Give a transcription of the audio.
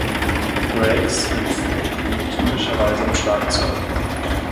Breaks im Funk liegen typischerweise im Schlagzeug.